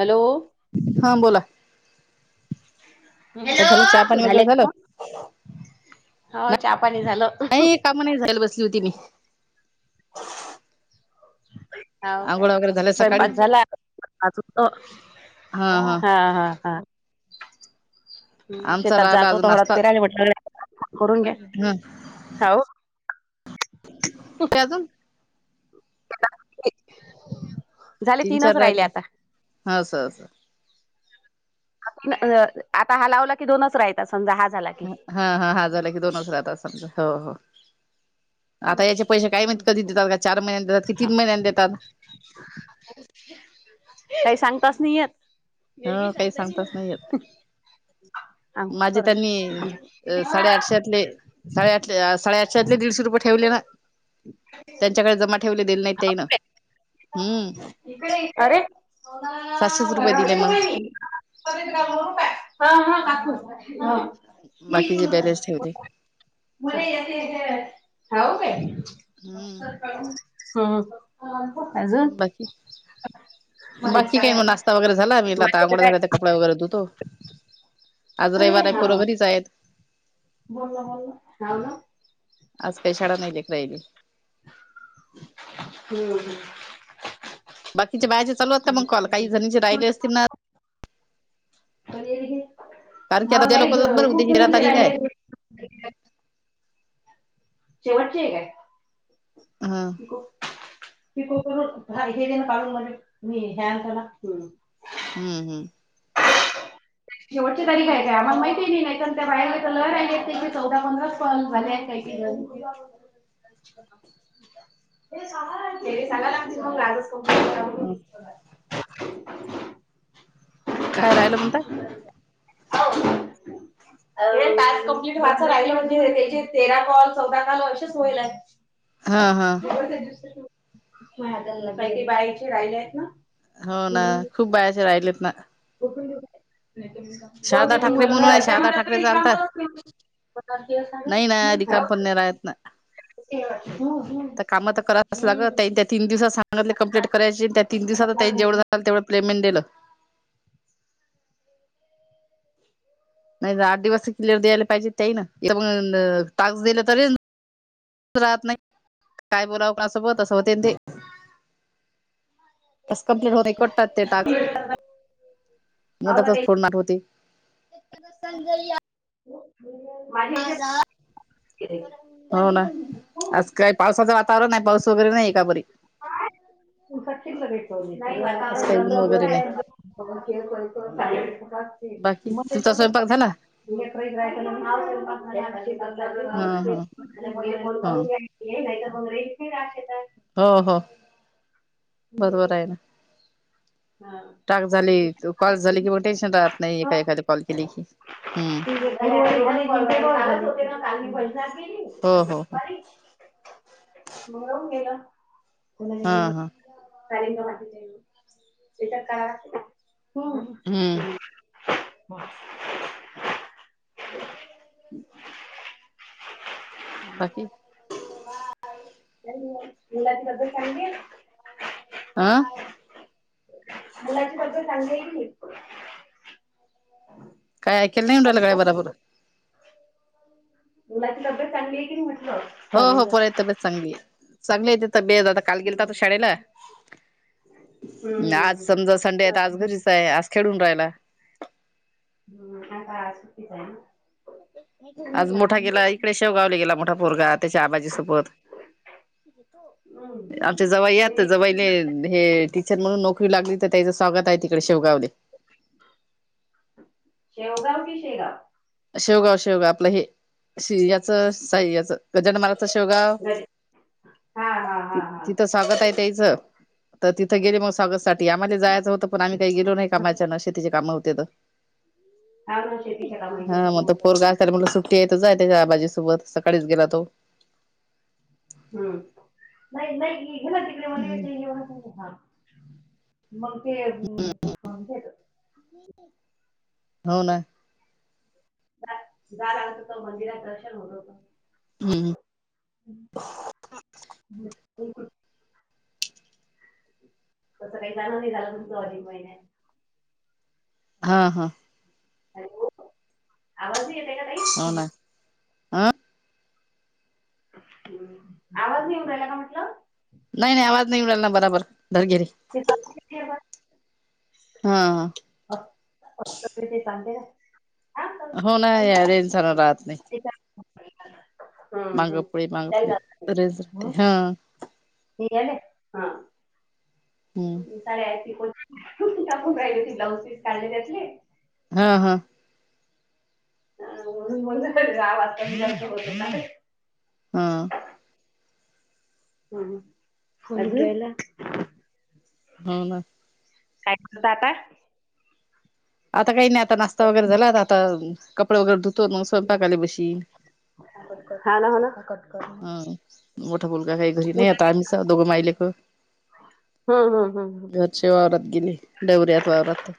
Hello. हा बोला, काय हॅलो झालं चहा तू पाणी झाले वगैरे झालं का हो चहा पाणी झालं नाही काम नाही जायला बसली होती मी हो आंघोळ वगैरे काय झाल्या सकाळी स्वयंपाक झाला, आता हा हा हा आमचा शेतात राहिला जातो अजून नाश्ता तर म्हटलं करुन घ्या, ह काहो [unintelligible] [unintelligible] तीन चार राहिले राहीले, आता अस आता हा लावला की दोनच राहता समजा हा झाला की, हा हा हा झाला की दोनच राहत असेल हो हो आता याचे पैसे काही माहित कधी देतात का चार महिन्यांत देतात की तीन महिन्यांत देतात. काही सांगताच नाही येत. वेगळी ह काही सांगताच नाही येत सांगता त अग माझे कर त्यांनी अ ना साडेआठशेतले साडेआठ साडेआठशेतले दीडशे रुपये ठेवले ना त्यांच्याकडे जमा ठेवले दिले नाहीत त्या ना, अरे सातशेच रुपये दिले मग हा हा काकू बाकीची बॅलेनस ठेवली. मला येत हो का हम्म हा हा बाकी, मला बाकी काय मग साड्याला नाश्ता वगैरे झाला आता बाकीच अंघोळ झाली कपडे वैगरे धुतो, आज रविवार आहे. पोरं घरीच आहेत. बोलल बोलल ह आज मग काही शाळा नाही लेकरं यायली. हम्म बाकीच्या बायांचे चालू असता मग कॉल काही जणीची राहिले असती ना, कारण की आता उद्या लोक बरं खुप उद्याची तेरा जणींची तारीख आहे. राहिले शेवटचे काय हा िक करून हे ना काढून द्या [inaudible] ह शेवटे तरी काहीयचय आ मला माहिती आहे नाहीत त्या बाहेरला तर लह आहिले आहेत ते चौदा पंधरा पण झाले आहेत काही केलं चछ हे चांग लागते र चांग लागते मग राज क हम् [unintelligible] खाय राहियलंणता ह पा कमप्लीिट वाचं राहिलं म्हणजे त्याचे तेरा कॉल चौदा कॉल असेच होईल आहे [inaudible] हा हा काही काही ते बायांचे राहिले आहेत ना, हो ना खूप बायांचे राहिलेत ना, त्या शारदा ठाकरे म्हणून आहे शारदा म्हणतात ठाकरेचा काम आलता करत नाही, ना रिकाम पण नाही राहत ना. प तर काम तर करायच लाग त्याीन दिवसात सांगत कंप्लीट करायची त्या तन दिवसात मग जेवढं झालं तेवढं प्मेट दिलं नाही आठ दिवस क्लअर द्यायला पाहिजे ते ना मग तास दिलं तरी राहत नाही काय बोलावं कोणासोबत असं होते ते कमप्लीट होत कतात ते टास्क मदातच फोडनार् होती. [unintelligible] [inaudible] [unintelligible] हो ना आज काही पावसाचं वातावरण ये, पाऊस वगैरे नाही का पोरी. [unintelligible] आज बघ काही ऊन वगैरे नाही खळ कतो [unintelligible] बाकी तुमचा स्वयंपाक झाला. हा [unintelligible] हा हा [unintelligible] हो हो बरोबर आहे ना हा. टाक झाली कॉल झाली की मग टेन्शन राहत नाही एका एखाद कॉल केली की हम्म. पै [unintelligible] हो हो हो मंग वाहून गेल, नाही हा गेल. हा कारंग त्याच्या काळ हम्म [unintelligible] [inaudible] बाकी मुलाची तब्येत पाणी आ मुलाची तब्येत चांगली ये का नाही. काही ऐकल नाही येऊन राहील बराबर. मुलाची तब्येत चांगली आहे की नाही म्हटलं. हो हो चालेल पोराची तब्येत चांगली चांगली ये काल गेलता. शाळेला. आज समजा संडे आहे तर आज घरीच आहे आज खेळून राहायला ह का आज सुट्टी आज मोठा गेला इकडे शेवगावल गेला मोठा फोरगा त्याच्या आबाजीसोबत. हम्म. आमच्या जवाई तुम्ही जवाई हे म्हणून नोकरी लागली तर त्याचं स्वागत आहे तिकडे शेवगावले शेवगाव की शेगाव? शेवगाव शेवगाव आपलं हे श याचं साई याचं गजान माल शेवगाव गड- हा हा हा हा तिथंच स्वागत आहे त्यायच तर तिथं गेले मग स्वागतसाठी - ते आम्हाले जायचं होतं पण आ्ही काही गेलो नाही कामाच्या ना शेती ची काम होते तर त्या आप शेती काम मोठी तुला ते येतच आहे आ बाजीसोबत सकाळीच गेला तो हम्म न नै घला तिकलेे म ह म ते हम् हो ना जा लागत होत मंदिरात दर्शन होत होत. हम् ह ह तसं काही झालं नाही, झाला म्हणतो अधिक महिन्यात हा हा. हॅलो आवाज नाही येत का ताई आ ् आवाज येवू राहिला का म्हटलं? नाही नाही आवाज नाही येवू राहीला, बराबर धर की रे ते सातशे तेरा हा हा. आप आ कसे कांदे आण होणा यार इनसान रहात नाही. त्याच्या हम्म, मागं हम्म. पुढे मागं पुढे त्यांना तरच राहते हा. हे गेले हा. हम्म. साडी हाएती खूप म्हणून कापून राहिली, ती ब्लाऊज पीस काढले त्यातले हा हा. [unintelligible] हा. हा हा [unintelligible] हाव ना. काय करू आता? आता काही नाही आता, नाश्ता वगैरे झाला आता कपडे वगैरे धुतो, मग स्वयंपाकाले बशीन हा ना हा ना. हा. मोठा मुलगा काही घरी नाही उद्या आता, आम्ही दोघंच माई लेकर हम्म हम्म हम्म घर हे वावरात गेले डवऱ्यात वावरात